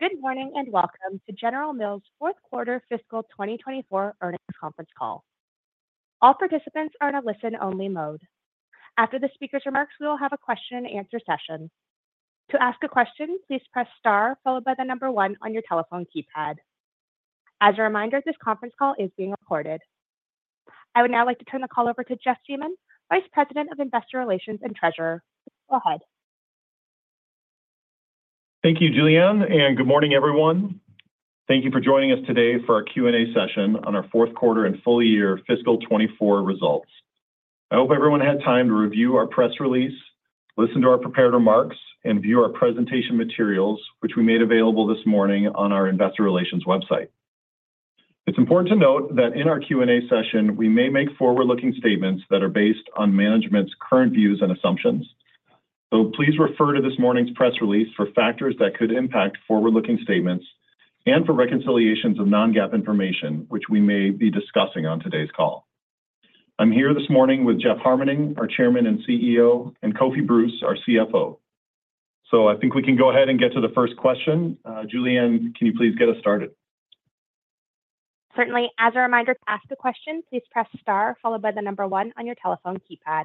Good morning and welcome to General Mills' fourth quarter fiscal 2024 earnings conference call. All participants are in a listen-only mode. After the speaker's remarks, we will have a question-and-answer session. To ask a question, please press star followed by the number one on your telephone keypad. As a reminder, this conference call is being recorded. I would now like to turn the call over to Jeff Siemon, Vice President of Investor Relations and Treasurer. Go ahead. Thank you, Julianne, and good morning, everyone. Thank you for joining us today for our Q&A session on our fourth quarter and full-year fiscal 2024 results. I hope everyone had time to review our press release, listen to our prepared remarks, and view our presentation materials, which we made available this morning on our Investor Relations website. It's important to note that in our Q&A session, we may make forward-looking statements that are based on management's current views and assumptions. So please refer to this morning's press release for factors that could impact forward-looking statements and for reconciliations of non-GAAP information, which we may be discussing on today's call. I'm here this morning with Jeff Harmening, our Chairman and CEO, and Kofi Bruce, our CFO. So I think we can go ahead and get to the first question. Julianne, can you please get us started? Certainly. As a reminder to ask a question, please press star followed by the number 1 on your telephone keypad.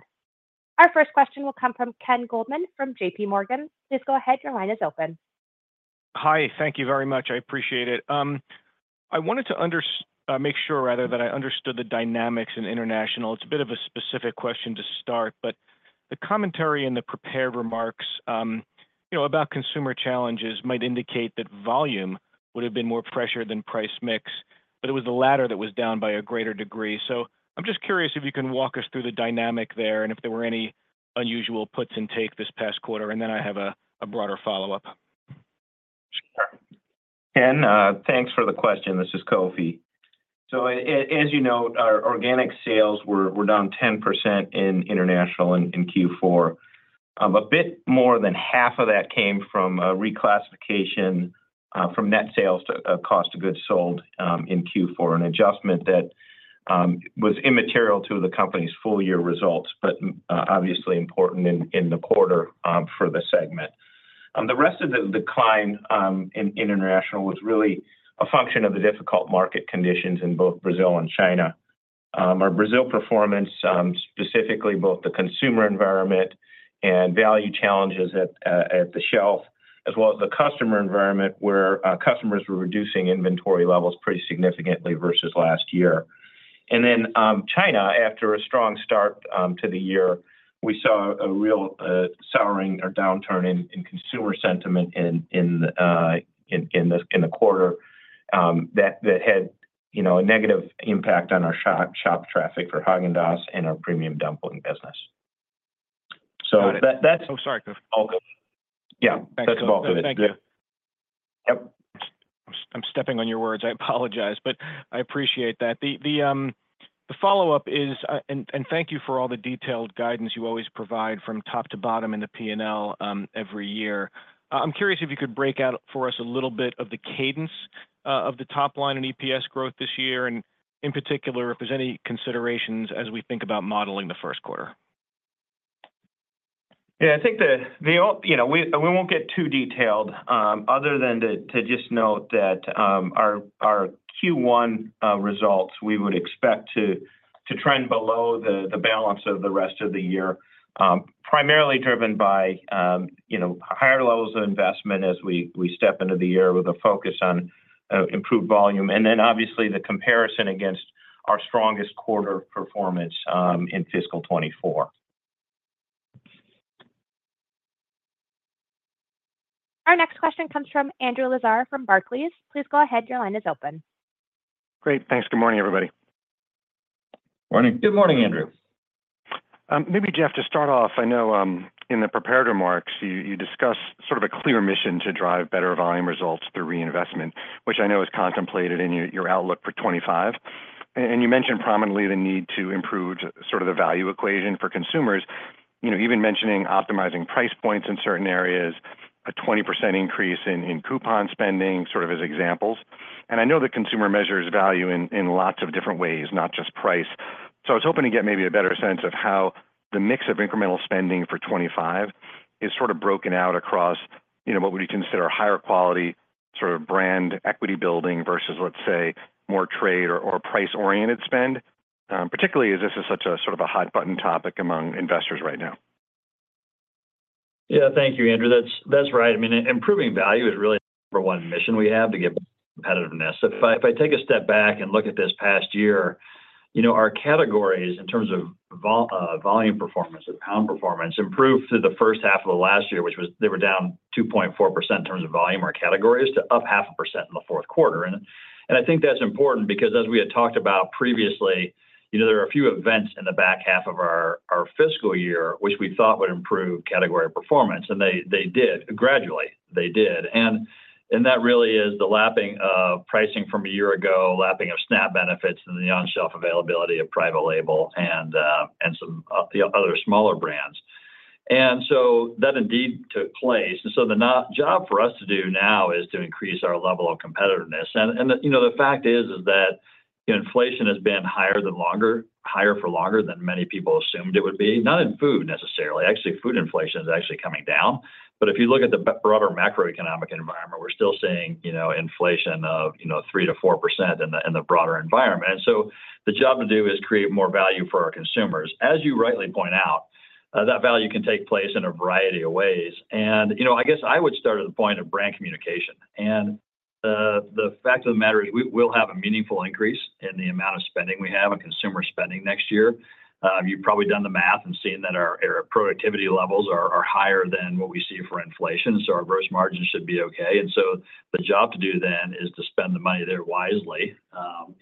Our first question will come from Ken Goldman from JPMorgan. Please go ahead. Your line is open. Hi. Thank you very much. I appreciate it. I wanted to make sure, rather, that I understood the dynamics in international. It's a bit of a specific question to start, but the commentary in the prepared remarks about consumer challenges might indicate that volume would have been more pressure than price mix, but it was the latter that was down by a greater degree. So I'm just curious if you can walk us through the dynamic there and if there were any unusual puts and takes this past quarter, and then I have a broader follow-up. Sure. Ken, thanks for the question. This is Kofi. So as you know, our organic sales were down 10% in international in Q4. A bit more than half of that came from reclassification from net sales to cost of goods sold in Q4, an adjustment that was immaterial to the company's full-year results, but obviously important in the quarter for the segment. The rest of the decline in international was really a function of the difficult market conditions in both Brazil and China. Our Brazil performance, specifically both the consumer environment and value challenges at the shelf, as well as the customer environment, where customers were reducing inventory levels pretty significantly versus last year. Then China, after a strong start to the year, we saw a real souring or downturn in consumer sentiment in the quarter that had a negative impact on our shop traffic for Häagen-Dazs and our premium dumpling business. So that's. Oh, sorry. Yeah. That's about it. Thank you. Yep. I'm stepping on your words. I apologize, but I appreciate that. The follow-up is, and thank you for all the detailed guidance you always provide from top to bottom in the P&L every year. I'm curious if you could break out for us a little bit of the cadence of the top line and EPS growth this year, and in particular, if there's any considerations as we think about modeling the first quarter. Yeah. I think we won't get too detailed other than to just note that our Q1 results, we would expect to trend below the balance of the rest of the year, primarily driven by higher levels of investment as we step into the year with a focus on improved volume, and then obviously the comparison against our strongest quarter performance in fiscal 2024. Our next question comes from Andrew Lazar from Barclays. Please go ahead. Your line is open. Great. Thanks. Good morning, everybody. Morning. Good morning, Andrew. Maybe, Jeff, to start off, I know in the prepared remarks, you discuss sort of a clear mission to drive better volume results through reinvestment, which I know is contemplated in your outlook for 2025. You mentioned prominently the need to improve sort of the value equation for consumers, even mentioning optimizing price points in certain areas, a 20% increase in coupon spending sort of as examples. I know that consumer measures value in lots of different ways, not just price. I was hoping to get maybe a better sense of how the mix of incremental spending for 2025 is sort of broken out across what would you consider higher quality sort of brand equity building versus, let's say, more trade or price-oriented spend, particularly as this is such a sort of a hot-button topic among investors right now. Yeah. Thank you, Andrew. That's right. I mean, improving value is really the number one mission we have to get competitiveness. If I take a step back and look at this past year, our categories in terms of volume performance and pound performance improved through the first half of the last year, which was they were down 2.4% in terms of volume for categories to up 0.5% in the fourth quarter. I think that's important because, as we had talked about previously, there are a few events in the back half of our fiscal year which we thought would improve category performance, and they did. Gradually, they did. And that really is the lapping of pricing from a year ago, lapping of SNAP benefits, and the on-shelf availability of private label and some other smaller brands. So that indeed took place. And so the job for us to do now is to increase our level of competitiveness. And the fact is that inflation has been higher, longer, higher for longer than many people assumed it would be. Not in food necessarily. Actually, food inflation is actually coming down. But if you look at the broader macroeconomic environment, we're still seeing inflation of 3%-4% in the broader environment. And so the job to do is create more value for our consumers. As you rightly point out, that value can take place in a variety of ways. And I guess I would start at the point of brand communication. And the fact of the matter is we'll have a meaningful increase in the amount of spending we have and consumer spending next year. You've probably done the math and seen that our productivity levels are higher than what we see for inflation. So our gross margin should be okay. And so the job to do then is to spend the money there wisely.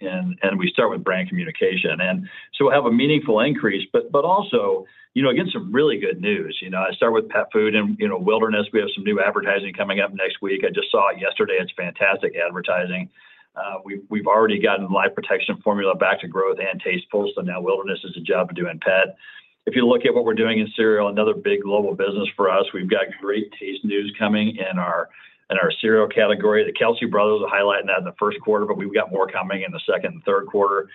And we start with brand communication. And so we'll have a meaningful increase, but also again, some really good news. I start with pet food and Wilderness. We have some new advertising coming up next week. I just saw it yesterday. It's fantastic advertising. We've already gotten the Life Protection Formula back to growth and Tastefuls. So now Wilderness is the job of doing pet. If you look at what we're doing in cereal, another big global business for us, we've got great taste news coming in our cereal category. The Kelce Brothers are highlighting that in the first quarter, but we've got more coming in the second and third quarter.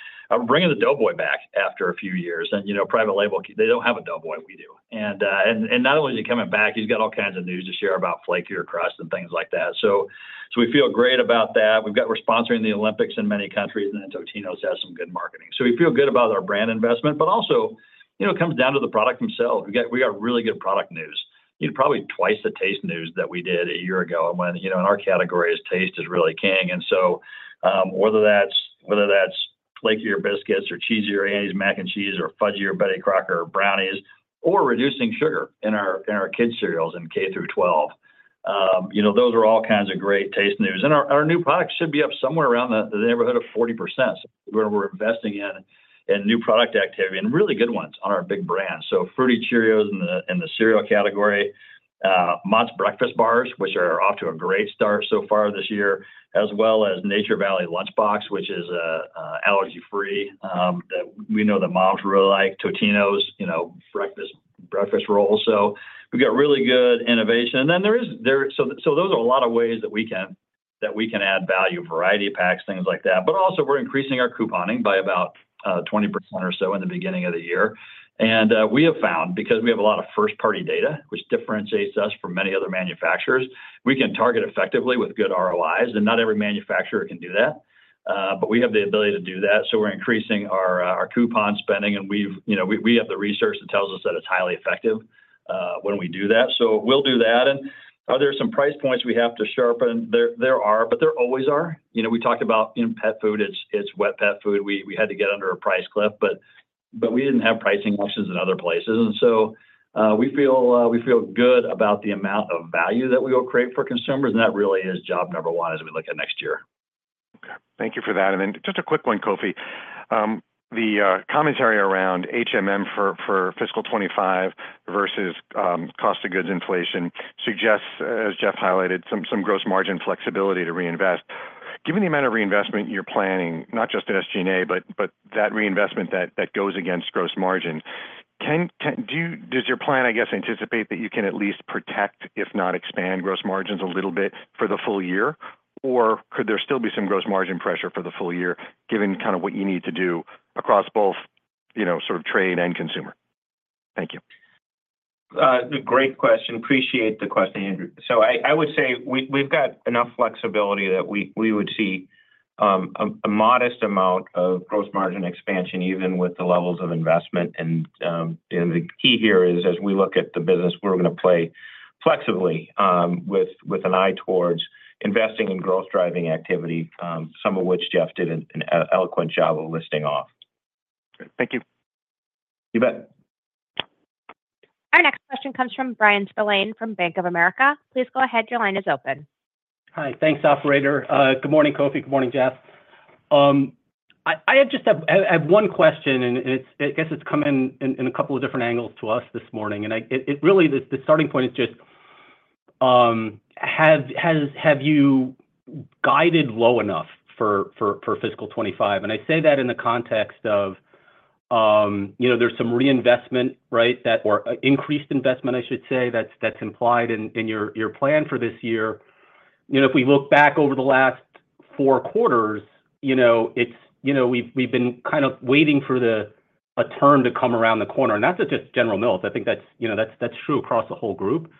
Bringing the doughboy back after a few years. And private label, they don't have a doughboy. We do. And not only is he coming back, he's got all kinds of news to share about flakier crust and things like that. So we feel great about that. We've got. We're sponsoring the Olympics in many countries, and then Totino’s has some good marketing. So we feel good about our brand investment, but also it comes down to the product themselves. We got really good product news. Probably twice the taste news that we did a year ago. When in our categories, taste is really king. And so whether that's flakier biscuits or cheesier Annie's mac and cheese or fudgier Betty Crocker brownies or reducing sugar in our kid cereals in K through 12, those are all kinds of great taste news. And our new product should be up somewhere around the neighborhood of 40%. We're investing in new product activity and really good ones on our big brands. So fruity Cheerios in the cereal category, Mott's Breakfast Bars, which are off to a great start so far this year, as well as Nature Valley Lunch Box, which is allergy-free that we know the moms really like, Totino's breakfast rolls. So we've got really good innovation. And then there is so those are a lot of ways that we can add value, variety of packs, things like that. But also we're increasing our couponing by about 20% or so in the beginning of the year. We have found, because we have a lot of first-party data, which differentiates us from many other manufacturers, we can target effectively with good ROIs. Not every manufacturer can do that, but we have the ability to do that. So we're increasing our coupon spending, and we have the research that tells us that it's highly effective when we do that. So we'll do that. And are there some price points we have to sharpen? There are, but there always are. We talked about pet food. It's wet pet food. We had to get under a price cliff, but we didn't have pricing options in other places. And so we feel good about the amount of value that we will create for consumers. That really is job number one as we look at next year. Okay. Thank you for that. And then just a quick one, Kofi. The commentary around for fiscal 2025 versus cost of goods inflation suggests, as Jeff highlighted, some gross margin flexibility to reinvest. Given the amount of reinvestment you're planning, not just at SG&A, but that reinvestment that goes against gross margin, does your plan, I guess, anticipate that you can at least protect, if not expand, gross margins a little bit for the full year? Or could there still be some gross margin pressure for the full year given kind of what you need to do across both sort of trade and consumer? Thank you. Great question. Appreciate the question, Andrew. So I would say we've got enough flexibility that we would see a modest amount of gross margin expansion even with the levels of investment. And the key here is, as we look at the business, we're going to play flexibly with an eye towards investing in growth-driving activity, some of which Jeff did an eloquent job of listing off. Thank you. You bet. Our next question comes from Brian Spillane from Bank of America. Please go ahead. Your line is open. Hi. Thanks, operator. Good morning, Kofi. Good morning, Jeff. I just have one question, and I guess it's come in a couple of different angles to us this morning. And really, the starting point is just, have you guided low enough for fiscal 2025? And I say that in the context of there's some reinvestment, right, or increased investment, I should say, that's implied in your plan for this year. If we look back over the last four quarters, we've been kind of waiting for a term to come around the corner. And that's just General Mills. I think that's true across the whole group.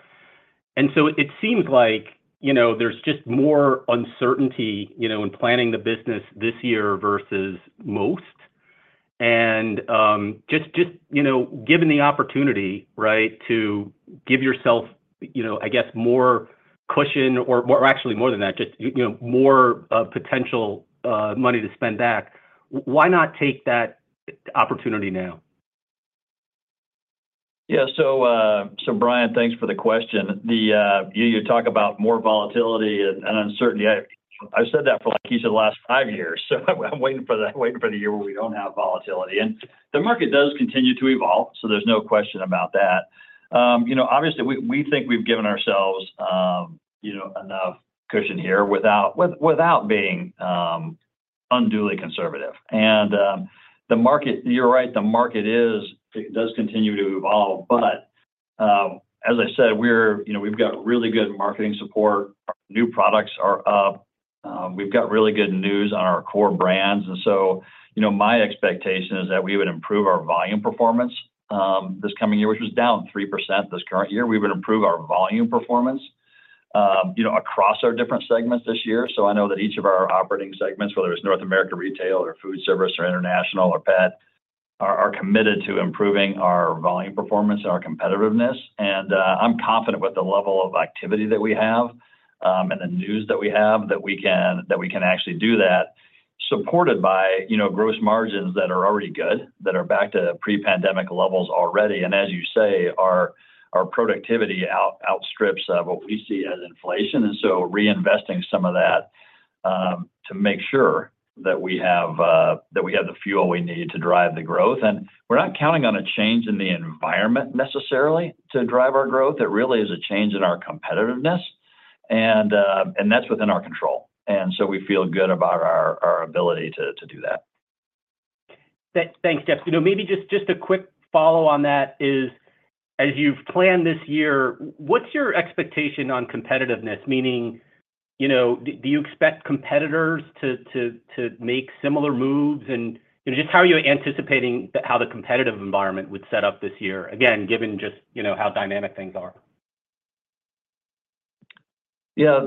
And so it seems like there's just more uncertainty in planning the business this year versus most. Just given the opportunity, right, to give yourself, I guess, more cushion or actually more than that, just more potential money to spend back, why not take that opportunity now? Yeah. So Brian, thanks for the question. You talk about more volatility and uncertainty. I've said that for a piece of the last five years. So I'm waiting for the year where we don't have volatility. And the market does continue to evolve, so there's no question about that. Obviously, we think we've given ourselves enough cushion here without being unduly conservative. And you're right. The market does continue to evolve. But as I said, we've got really good marketing support. Our new products are up. We've got really good news on our core brands. And so my expectation is that we would improve our volume performance this coming year, which was down 3% this current year. We would improve our volume performance across our different segments this year. So I know that each of our operating segments, whether it's North America Retail or food service or international or pet, are committed to improving our volume performance and our competitiveness. And I'm confident with the level of activity that we have and the news that we have that we can actually do that, supported by gross margins that are already good, that are back to pre-pandemic levels already. And as you say, our productivity outstrips what we see as inflation. And so reinvesting some of that to make sure that we have the fuel we need to drive the growth. And we're not counting on a change in the environment necessarily to drive our growth. It really is a change in our competitiveness. And that's within our control. And so we feel good about our ability to do that. Thanks, Jeff. Maybe just a quick follow on that is, as you've planned this year, what's your expectation on competitiveness? Meaning, do you expect competitors to make similar moves? And just how are you anticipating how the competitive environment would set up this year, again, given just how dynamic things are? Yeah.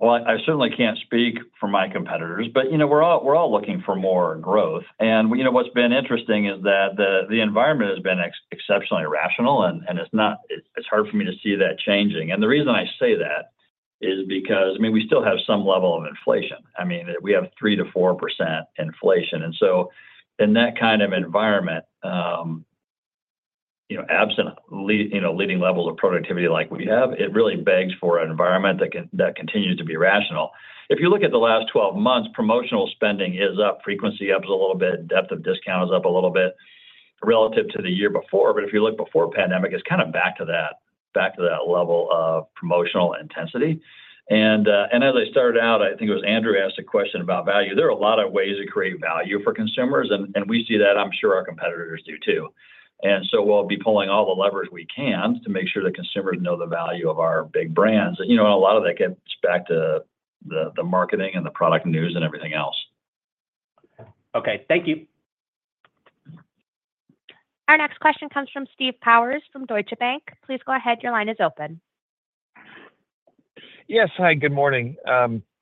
Well, I certainly can't speak for my competitors, but we're all looking for more growth. What's been interesting is that the environment has been exceptionally rational, and it's hard for me to see that changing. The reason I say that is because, I mean, we still have some level of inflation. I mean, we have 3%-4% inflation. So in that kind of environment, absent leading levels of productivity like we have, it really begs for an environment that continues to be rational. If you look at the last 12 months, promotional spending is up. Frequency up is a little bit. Depth of discount is up a little bit relative to the year before. But if you look before pandemic, it's kind of back to that level of promotional intensity. And as I started out, I think it was Andrew who asked a question about value. There are a lot of ways to create value for consumers, and we see that, I'm sure our competitors do too. And so we'll be pulling all the levers we can to make sure that consumers know the value of our big brands. And a lot of that gets back to the marketing and the product news and everything else. Okay. Thank you. Our next question comes from Steve Powers from Deutsche Bank. Please go ahead. Your line is open. Yes. Hi. Good morning.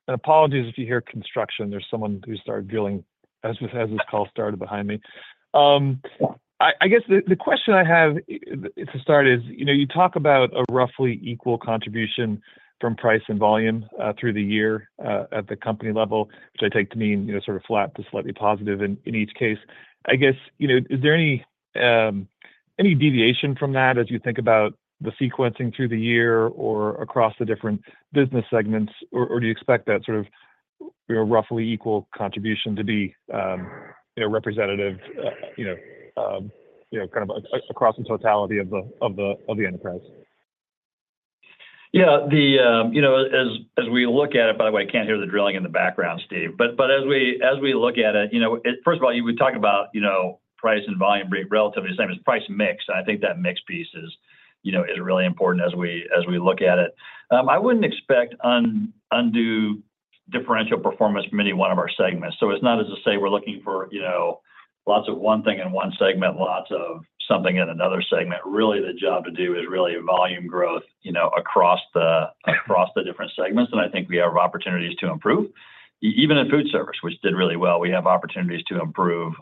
Apologies if you hear construction. There's someone who started drilling as this call started behind me. I guess the question I have to start is, you talk about a roughly equal contribution from price and volume through the year at the company level, which I take to mean sort of flat to slightly positive in each case. I guess, is there any deviation from that as you think about the sequencing through the year or across the different business segments, or do you expect that sort of roughly equal contribution to be representative kind of across the totality of the enterprise? Yeah. As we look at it, by the way, I can't hear the drilling in the background, Steve. But as we look at it, first of all, we talk about price and volume being relatively the same as price and mix. And I think that mix piece is really important as we look at it. I wouldn't expect undue differential performance from any one of our segments. So it's not as to say we're looking for lots of one thing in one segment, lots of something in another segment. Really, the job to do is really volume growth across the different segments. And I think we have opportunities to improve. Even in food service, which did really well, we have opportunities to improve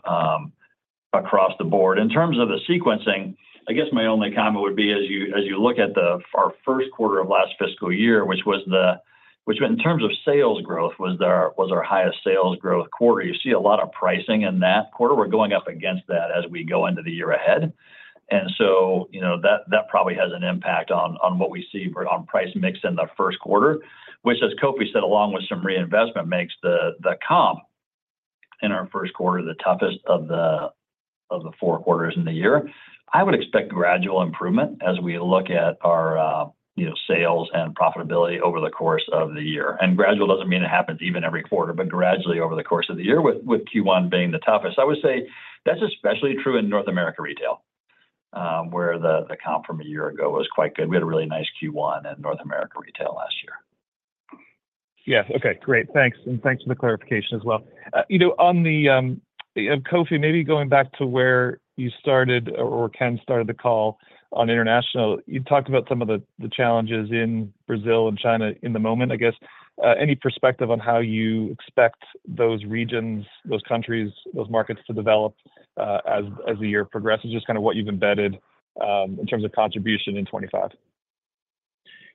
across the board. In terms of the sequencing, I guess my only comment would be, as you look at our first quarter of last fiscal year, which, in terms of sales growth, was our highest sales growth quarter. You see a lot of pricing in that quarter. We're going up against that as we go into the year ahead. And so that probably has an impact on what we see on price mix in the first quarter, which, as Kofi said, along with some reinvestment, makes the comp in our first quarter the toughest of the four quarters in the year. I would expect gradual improvement as we look at our sales and profitability over the course of the year. And gradual doesn't mean it happens even every quarter, but gradually over the course of the year with Q1 being the toughest. I would say that's especially true in North America Retail, where the comp from a year ago was quite good. We had a really nice Q1 in North America Retail last year. Yeah. Okay. Great. Thanks. And thanks for the clarification as well. Kofi, maybe going back to where you started or Ken started the call on international, you talked about some of the challenges in Brazil and China in the moment. I guess, any perspective on how you expect those regions, those countries, those markets to develop as the year progresses, just kind of what you've embedded in terms of contribution in 2025?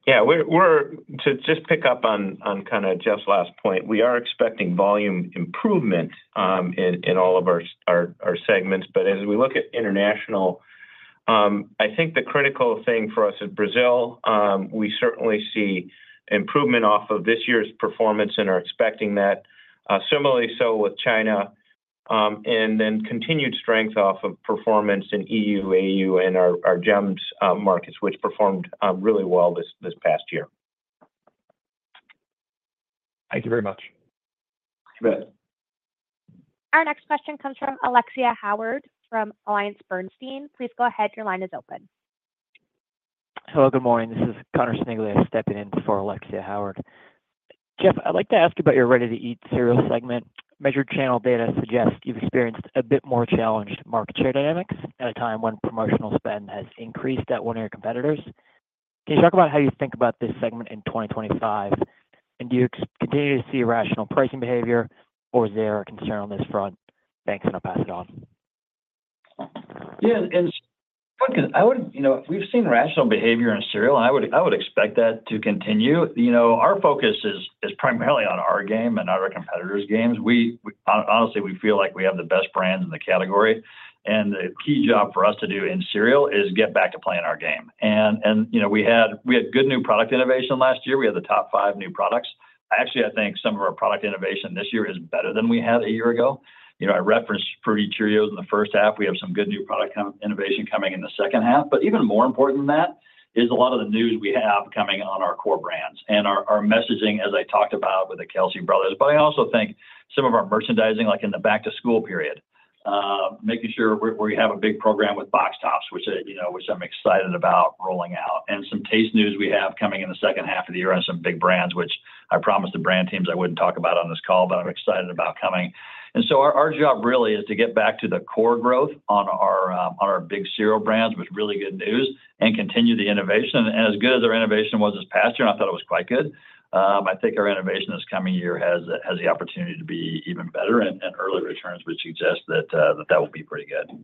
Yeah. To just pick up on kind of Jeff's last point, we are expecting volume improvement in all of our segments. But as we look at international, I think the critical thing for us is Brazil. We certainly see improvement off of this year's performance and are expecting that. Similarly, so with China, and then continued strength off of performance in EU, AU, and our GEMs markets, which performed really well this past year. Thank you very much. You bet. Our next question comes from Alexia Howard from AllianceBernstein. Please go ahead. Your line is open. Hello. Good morning. This is Connor Sniegocki stepping in for Alexia Howard. Jeff, I'd like to ask you about your ready-to-eat cereal segment. Measured channel data suggests you've experienced a bit more challenged market share dynamics at a time when promotional spend has increased at one of your competitors. Can you talk about how you think about this segment in 2025? And do you continue to see rational pricing behavior, or is there a concern on this front? Thanks, and I'll pass it on. Yeah. I would say we've seen rational behavior in cereal, and I would expect that to continue. Our focus is primarily on our game and not our competitors' games. Honestly, we feel like we have the best brands in the category. And the key job for us to do in cereal is get back to playing our game. And we had good new product innovation last year. We had the top five new products. Actually, I think some of our product innovation this year is better than we had a year ago. I referenced Fruity Cheerios in the first half. We have some good new product innovation coming in the second half. But even more important than that is a lot of the news we have coming on our core brands and our messaging, as I talked about with the Kelsey Brothers. But I also think some of our merchandising, like in the back-to-school period, making sure we have a big program with Box Tops, which I'm excited about rolling out, and some taste news we have coming in the second half of the year on some big brands, which I promised the brand teams I wouldn't talk about on this call, but I'm excited about coming. And so our job really is to get back to the core growth on our big cereal brands, which is really good news, and continue the innovation. And as good as our innovation was this past year, and I thought it was quite good, I think our innovation this coming year has the opportunity to be even better. And early returns would suggest that that will be pretty good.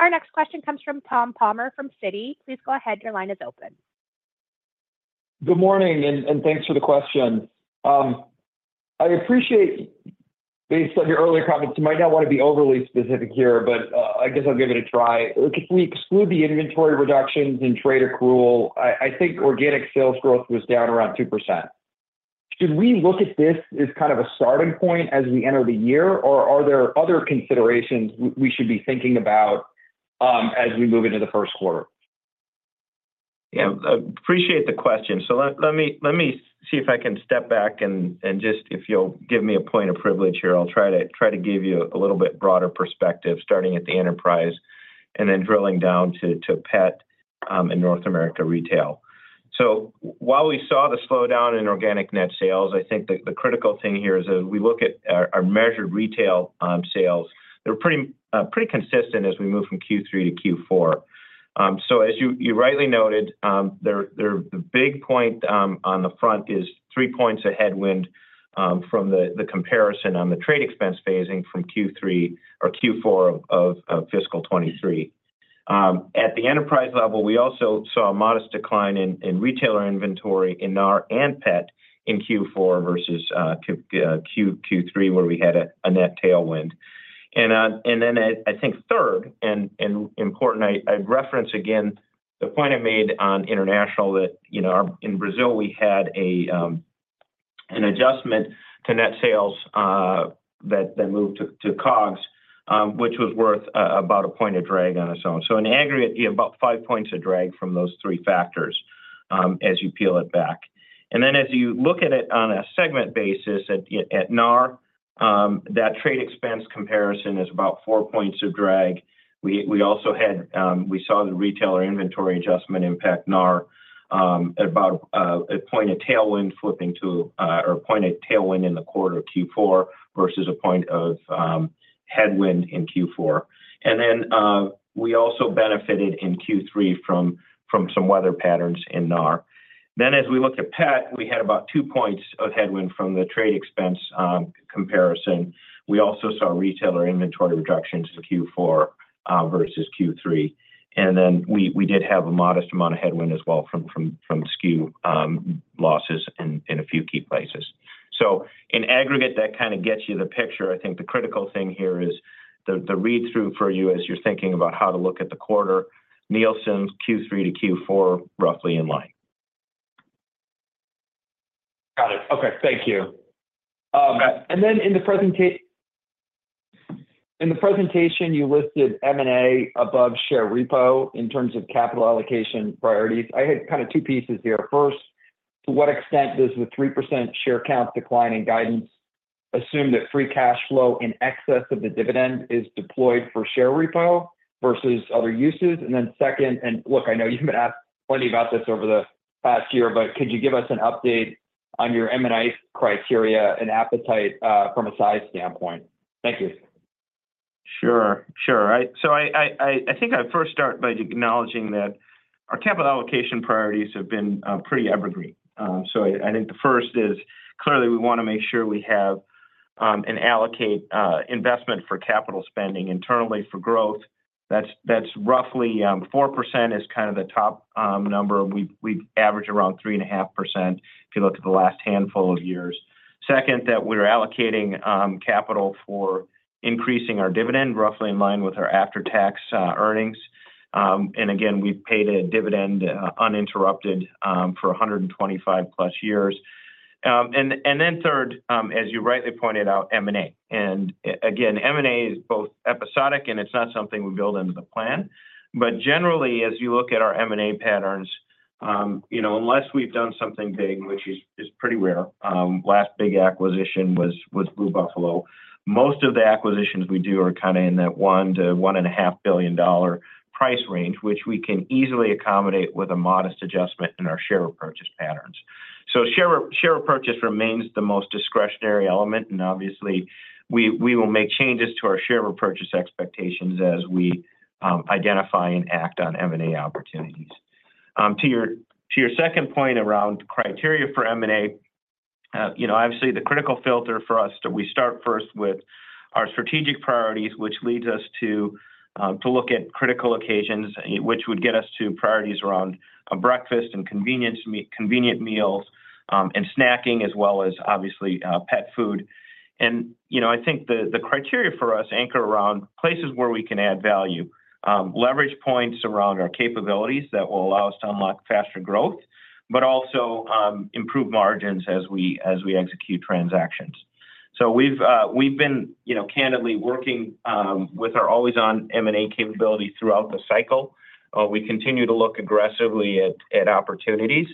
Our next question comes from Tom Palmer from Citigroup. Please go ahead. Your line is open. Good morning, and thanks for the question. I appreciate, based on your earlier comments, you might not want to be overly specific here, but I guess I'll give it a try. If we exclude the inventory reductions in Kroger, I think organic sales growth was down around 2%. Should we look at this as kind of a starting point as we enter the year, or are there other considerations we should be thinking about as we move into the first quarter? Yeah. I appreciate the question. So let me see if I can step back and just, if you'll give me a point of privilege here, I'll try to give you a little bit broader perspective, starting at the enterprise and then drilling down to Pet and North America Retail. So while we saw the slowdown in organic net sales, I think the critical thing here is, as we look at our measured retail sales, they're pretty consistent as we move from Q3 to Q4. So as you rightly noted, the big point on the front is 3 points of headwind from the comparison on the trade expense phasing from Q3 or Q4 of fiscal 2023. At the enterprise level, we also saw a modest decline in retailer inventory in U.S. Retail and Pet in Q4 versus Q3, where we had a net tailwind. I think third and important, I'd reference again the point I made on international that in Brazil, we had an adjustment to net sales that moved to COGS, which was worth about a point of drag on its own. In aggregate, you have about 5 points of drag from those three factors as you peel it back. As you look at it on a segment basis, at NAR, that trade expense comparison is about 4 points of drag. We also saw the retailer inventory adjustment impact NAR at about a point of tailwind flipping to or a point of tailwind in the quarter of Q4 versus a point of headwind in Q4. We also benefited in Q3 from some weather patterns in NAR. As we look at pet, we had about 2 points of headwind from the trade expense comparison. We also saw retailer inventory reductions in Q4 versus Q3. Then we did have a modest amount of headwind as well from SKU losses in a few key places. In aggregate, that kind of gets you the picture. I think the critical thing here is the read-through for you as you're thinking about how to look at the quarter. Nielsen, Q3 to Q4 roughly in line. Got it. Okay. Thank you. And then in the presentation, you listed M&A above share repo in terms of capital allocation priorities. I had kind of two pieces here. First, to what extent does the 3% share count decline in guidance assume that free cash flow in excess of the dividend is deployed for share repo versus other uses? And then second, and look, I know you've been asked plenty about this over the past year, but could you give us an update on your M&A criteria and appetite from a size standpoint? Thank you. Sure. Sure. So I think I'd first start by acknowledging that our capital allocation priorities have been pretty evergreen. So I think the first is, clearly, we want to make sure we have and allocate investment for capital spending internally for growth. That's roughly 4% is kind of the top number. We've averaged around 3.5% if you look at the last handful of years. Second, that we're allocating capital for increasing our dividend, roughly in line with our after-tax earnings. And again, we've paid a dividend uninterrupted for 125+ years. And then third, as you rightly pointed out, M&A. And again, M&A is both episodic, and it's not something we build into the plan. But generally, as you look at our M&A patterns, unless we've done something big, which is pretty rare, last big acquisition was Blue Buffalo, most of the acquisitions we do are kind of in that $1 billion-$1.5 billion price range, which we can easily accommodate with a modest adjustment in our share purchase patterns. So share purchase remains the most discretionary element. And obviously, we will make changes to our share purchase expectations as we identify and act on M&A opportunities. To your second point around criteria for M&A, obviously, the critical filter for us, we start first with our strategic priorities, which leads us to look at critical occasions, which would get us to priorities around breakfast and convenient meals and snacking, as well as, obviously, pet food. I think the criteria for us anchor around places where we can add value, leverage points around our capabilities that will allow us to unlock faster growth, but also improve margins as we execute transactions. We've been candidly working with our always-on M&A capability throughout the cycle. We continue to look aggressively at opportunities.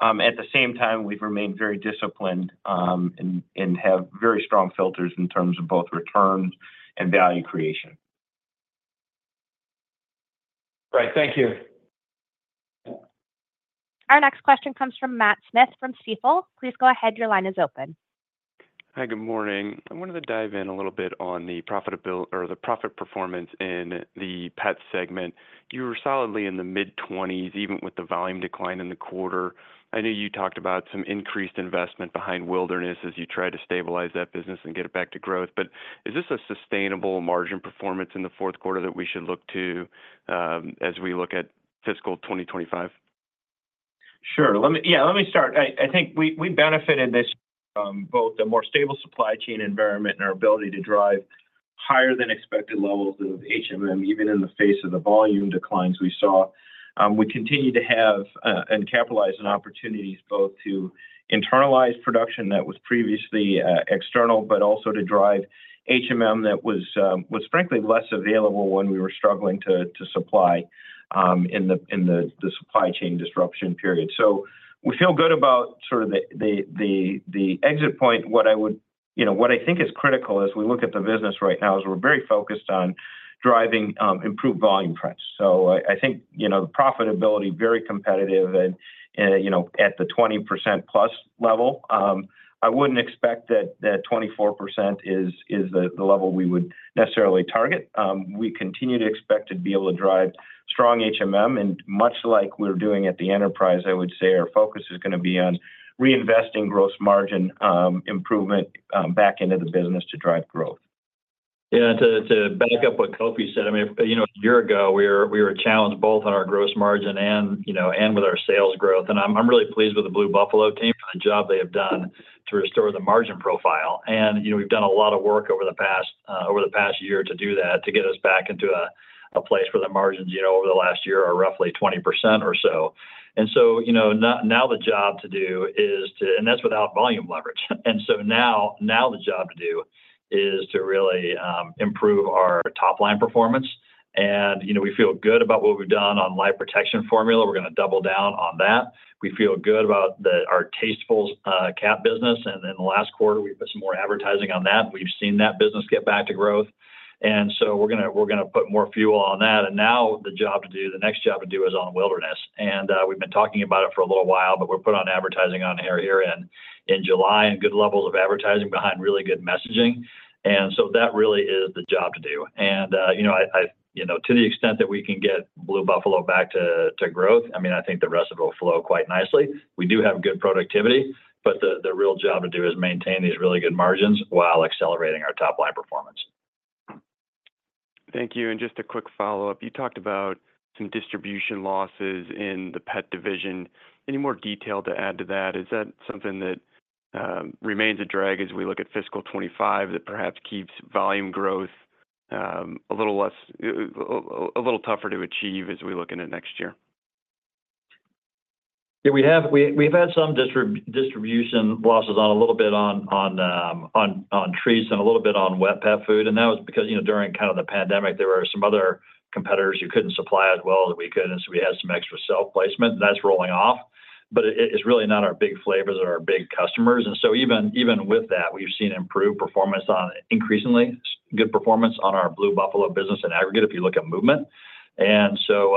At the same time, we've remained very disciplined and have very strong filters in terms of both returns and value creation. Right. Thank you. Our next question comes from Matt Smith from Stifel. Please go ahead. Your line is open. Hi. Good morning. I wanted to dive in a little bit on the profitability or the profit performance in the pet segment. You were solidly in the mid-20s, even with the volume decline in the quarter. I know you talked about some increased investment behind Wilderness as you try to stabilize that business and get it back to growth. But is this a sustainable margin performance in the fourth quarter that we should look to as we look at fiscal 2025? Sure. Yeah. Let me start. I think we benefited this from both a more stable supply chain environment and our ability to drive higher-than-expected levels of even in the face of the volume declines we saw. We continue to have and capitalize on opportunities both to internalize production that was previously external, but also to drive that was, frankly, less available when we were struggling to supply in the supply chain disruption period. So we feel good about sort of the exit point. What I think is critical as we look at the business right now is we're very focused on driving improved volume prints. So I think the profitability is very competitive at the 20%+ level. I wouldn't expect that 24% is the level we would necessarily target. We continue to expect to be able to drive strong and much like we're doing at the enterprise. I would say our focus is going to be on reinvesting gross margin improvement back into the business to drive growth. Yeah. To back up what Kofi said, I mean, a year ago, we were challenged both on our gross margin and with our sales growth. I'm really pleased with the Blue Buffalo team for the job they have done to restore the margin profile. We've done a lot of work over the past year to do that to get us back into a place where the margins over the last year are roughly 20% or so. And so now the job to do is to—and that's without volume leverage. And so now the job to do is to really improve our top-line performance. And we feel good about what we've done on BLUE Life Protection Formula. We're going to double down on that. We feel good about our BLUE Tastefuls cat business. And in the last quarter, we put some more advertising on that. We've seen that business get back to growth. And so we're going to put more fuel on that. And now the job to do, the next job to do, is on BLUE Wilderness. And we've been talking about it for a little while, but we're putting on advertising here in July and good levels of advertising behind really good messaging. And so that really is the job to do. And to the extent that we can get Blue Buffalo back to growth, I mean, I think the rest of it will flow quite nicely. We do have good productivity, but the real job to do is maintain these really good margins while accelerating our top-line performance. Thank you. Just a quick follow-up. You talked about some distribution losses in the pet division. Any more detail to add to that? Is that something that remains a drag as we look at fiscal 2025 that perhaps keeps volume growth a little tougher to achieve as we look into next year? Yeah. We've had some distribution losses on a little bit on treats and a little bit on wet pet food. And that was because during kind of the pandemic, there were some other competitors who couldn't supply as well as we could. And so we had some extra shelf placement, and that's rolling off. But it's really not our big flavors or our big customers. And so even with that, we've seen improved performance and increasingly good performance on our Blue Buffalo business in aggregate if you look at movement. And so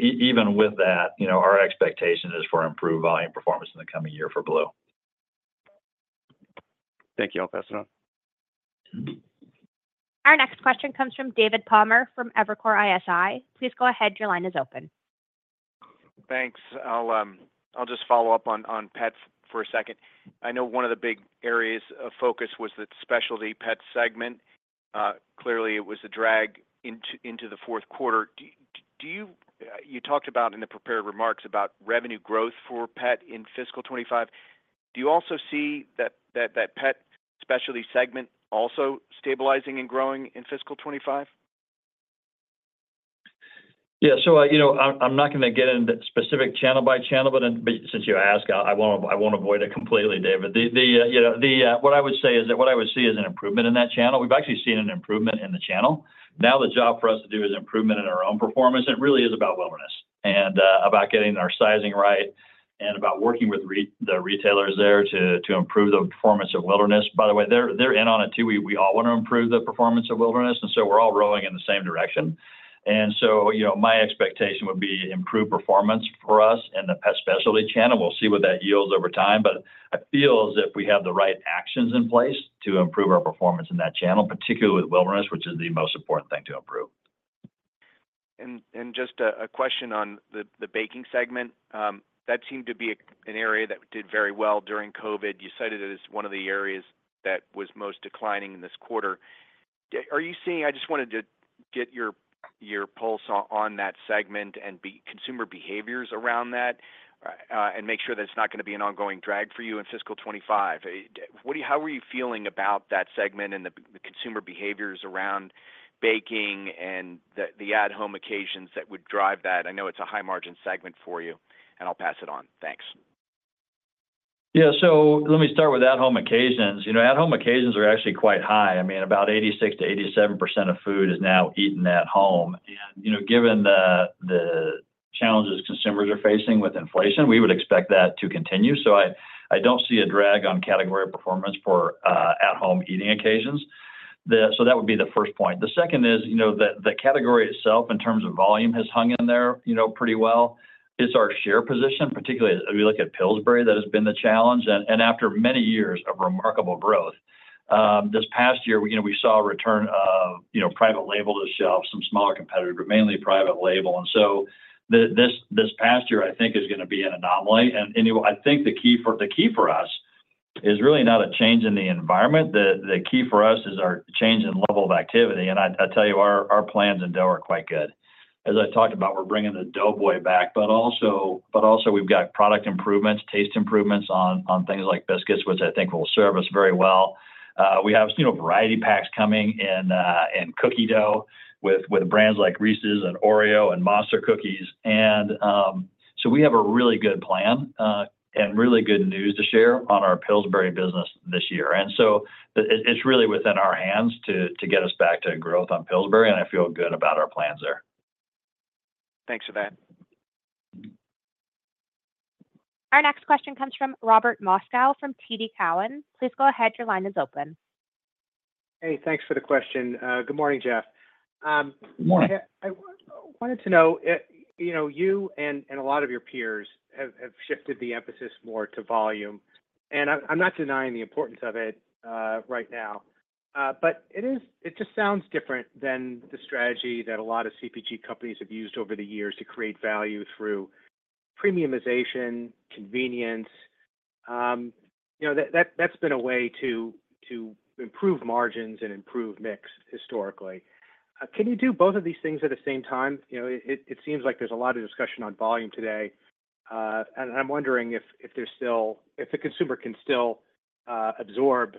even with that, our expectation is for improved volume performance in the coming year for Blue. Thank you, Alcassimon. Our next question comes from David Palmer from Evercore ISI. Please go ahead. Your line is open. Thanks. I'll just follow up on pets for a second. I know one of the big areas of focus was the specialty pet segment. Clearly, it was a drag into the fourth quarter. You talked about in the prepared remarks about revenue growth for pet in fiscal 2025. Do you also see that pet specialty segment also stabilizing and growing in fiscal 2025? Yeah. So I'm not going to get into specific channel by channel, but since you asked, I won't avoid it completely, David. What I would say is that what I would see is an improvement in that channel. We've actually seen an improvement in the channel. Now the job for us to do is improvement in our own performance. And it really is about Wilderness and about getting our sizing right and about working with the retailers there to improve the performance of Wilderness. By the way, they're in on it too. We all want to improve the performance of Wilderness. And so we're all rowing in the same direction. And so my expectation would be improved performance for us in the pet specialty channel. We'll see what that yields over time. But I feel as if we have the right actions in place to improve our performance in that channel, particularly with Wilderness, which is the most important thing to improve. Just a question on the baking segment. That seemed to be an area that did very well during COVID. You cited it as one of the areas that was most declining in this quarter. Are you seeing, I just wanted to get your pulse on that segment and consumer behaviors around that and make sure that it's not going to be an ongoing drag for you in fiscal 2025. How are you feeling about that segment and the consumer behaviors around baking and the at-home occasions that would drive that? I know it's a high-margin segment for you, and I'll pass it on. Thanks. Yeah. So let me start with at-home occasions. At-home occasions are actually quite high. I mean, about 86%-87% of food is now eaten at home. And given the challenges consumers are facing with inflation, we would expect that to continue. So I don't see a drag on category performance for at-home eating occasions. So that would be the first point. The second is the category itself, in terms of volume, has hung in there pretty well. It's our share position, particularly as we look at Pillsbury. That has been the challenge. And after many years of remarkable growth, this past year, we saw a return of private label to shelf, some smaller competitors, but mainly private label. And so this past year, I think, is going to be an anomaly. And I think the key for us is really not a change in the environment. The key for us is our change in level of activity. And I tell you, our plans in dough are quite good. As I talked about, we're bringing the Doughboy back. But also, we've got product improvements, taste improvements on things like biscuits, which I think will serve us very well. We have variety packs coming in cookie dough with brands like Reese's and Oreo and Monster Cookies. And so we have a really good plan and really good news to share on our Pillsbury business this year. And so it's really within our hands to get us back to growth on Pillsbury. And I feel good about our plans there. Thanks for that. Our next question comes from Robert Moskow from TD Cowen. Please go ahead. Your line is open. Hey, thanks for the question. Good morning, Jeff. Good morning. I wanted to know, you and a lot of your peers have shifted the emphasis more to volume. And I'm not denying the importance of it right now. But it just sounds different than the strategy that a lot of CPG companies have used over the years to create value through premiumization, convenience. That's been a way to improve margins and improve mix historically. Can you do both of these things at the same time? It seems like there's a lot of discussion on volume today. And I'm wondering if the consumer can still absorb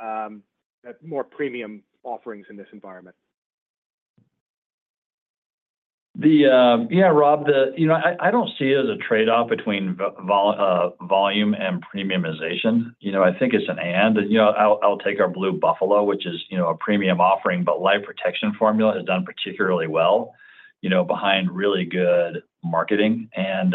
or accept more premium offerings in this environment? Yeah, Rob, I don't see it as a trade-off between volume and premiumization. I think it's an and. I'll take our Blue Buffalo, which is a premium offering, but Life Protection Formula has done particularly well behind really good marketing. And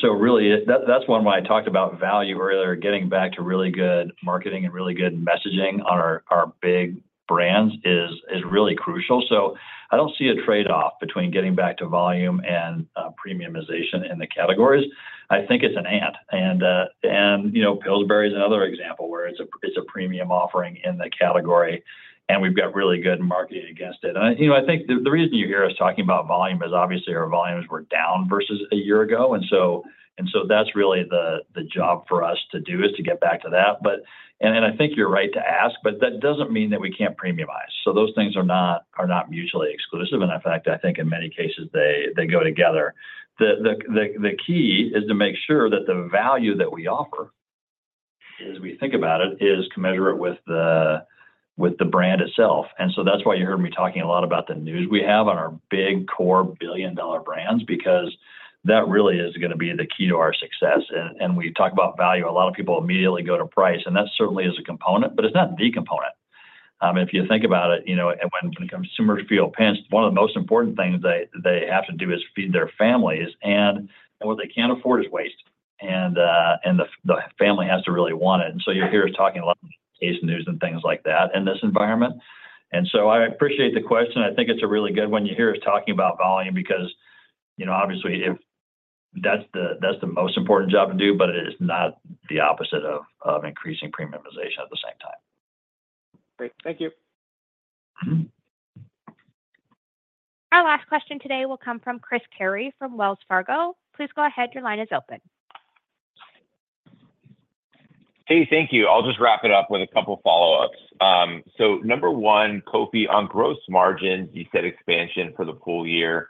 so really, that's one way I talked about value earlier. Getting back to really good marketing and really good messaging on our big brands is really crucial. So I don't see a trade-off between getting back to volume and premiumization in the categories. I think it's an and. And Pillsbury is another example where it's a premium offering in the category, and we've got really good marketing against it. And I think the reason you hear us talking about volume is obviously our volumes were down versus a year ago. And so that's really the job for us to do is to get back to that. I think you're right to ask, but that doesn't mean that we can't premiumize. Those things are not mutually exclusive. In fact, I think in many cases, they go together. The key is to make sure that the value that we offer, as we think about it, is to measure it with the brand itself. So that's why you heard me talking a lot about the news we have on our big core billion-dollar brands because that really is going to be the key to our success. We talk about value. A lot of people immediately go to price, and that certainly is a component, but it's not the component. If you think about it, when consumers feel pinched, one of the most important things they have to do is feed their families. What they can't afford is waste. The family has to really want it. So you hear us talking a lot about taste news and things like that in this environment. So I appreciate the question. I think it's a really good one. You hear us talking about volume because, obviously, that's the most important job to do, but it is not the opposite of increasing premiumization at the same time. Great. Thank you. Our last question today will come from Chris Carey from Wells Fargo. Please go ahead. Your line is open. Hey, thank you. I'll just wrap it up with a couple of follow-ups. So number one, Kofi, on gross margins, you said expansion for the full year.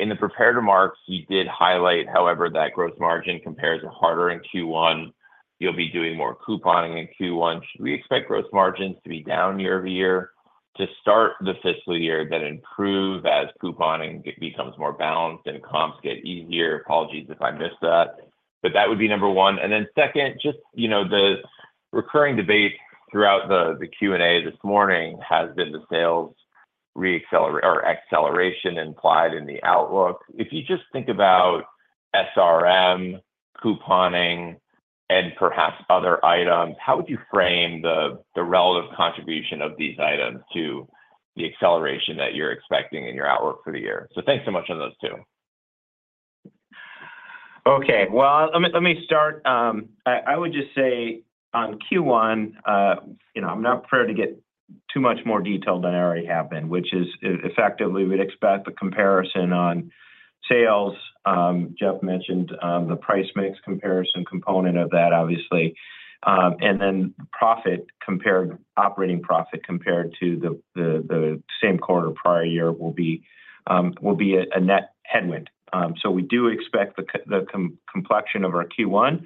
In the prepared remarks, you did highlight, however, that gross margin compares harder in Q1. You'll be doing more couponing in Q1. Should we expect gross margins to be down year-over-year to start the fiscal year, then improve as couponing becomes more balanced and comps get easier? Apologies if I missed that. But that would be number one. And then second, just the recurring debate throughout the Q&A this morning has been the sales acceleration implied in the outlook. If you just think about SRM, couponing, and perhaps other items, how would you frame the relative contribution of these items to the acceleration that you're expecting in your outlook for the year? So thanks so much on those two. Okay. Well, let me start. I would just say on Q1, I'm not prepared to get too much more detail than I already have been, which is effectively we'd expect the comparison on sales. Jeff mentioned the price mix comparison component of that, obviously. And then operating profit compared to the same quarter prior year will be a net headwind. So we do expect the complexion of our Q1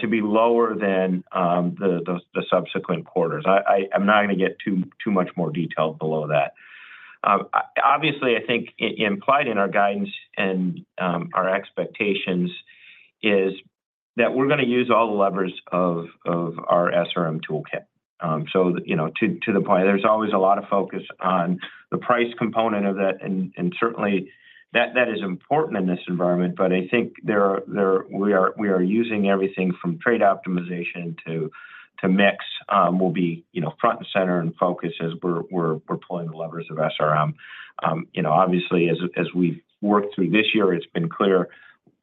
to be lower than the subsequent quarters. I'm not going to get too much more detail below that. Obviously, I think implied in our guidance and our expectations is that we're going to use all the levers of our SRM toolkit. So to the point, there's always a lot of focus on the price component of that. And certainly, that is important in this environment. But I think we are using everything from trade optimization to mix will be front and center and focus as we're pulling the levers of SRM. Obviously, as we've worked through this year, it's been clear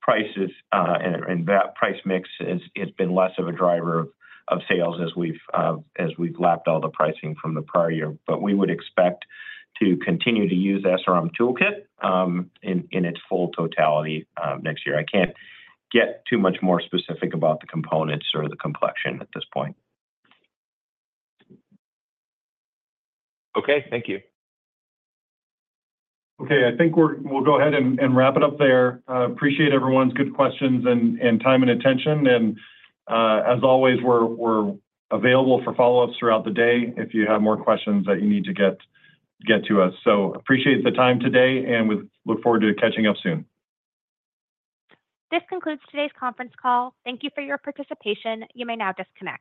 prices and that price mix has been less of a driver of sales as we've lapped all the pricing from the prior year. But we would expect to continue to use SRM toolkit in its full totality next year. I can't get too much more specific about the components or the complexion at this point. Okay. Thank you. Okay. I think we'll go ahead and wrap it up there. Appreciate everyone's good questions and time and attention. And as always, we're available for follow-ups throughout the day if you have more questions that you need to get to us. So appreciate the time today and we look forward to catching up soon. This concludes today's conference call. Thank you for your participation. You may now disconnect.